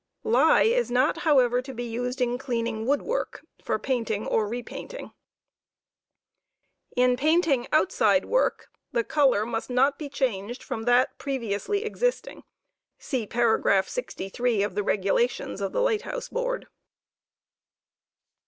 Lye is not, however, to be used in cleaning wood ♦ work for painting or repainting. In painting outside work the color must not be changed from that previously exist* ing. (See paragraph 63 of the Regulations of the Light House Board.)